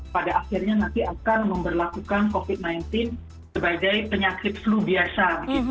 pada akhirnya nanti akan memperlakukan covid sembilan belas sebagai penyakit flu biasa